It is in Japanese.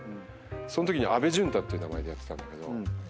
そのときに阿部純大っていう名前でやってたんだけど。